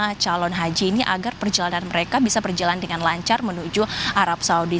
bagaimana calon haji ini agar perjalanan mereka bisa berjalan dengan lancar menuju arab saudi